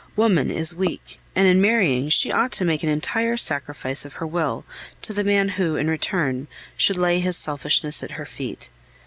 Woman is weak, and in marrying she ought to make an entire sacrifice of her will to the man who, in return, should lay his selfishness at her feet.